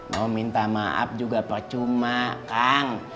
mau minta maaf juga pak cuma kang